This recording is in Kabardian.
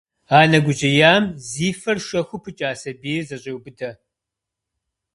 Анэ гужьеям зи фэр шэхуу пыкӏа сабийр зэщӏеубыдэ.